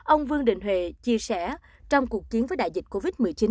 ông vương đình huệ chia sẻ trong cuộc chiến với đại dịch covid một mươi chín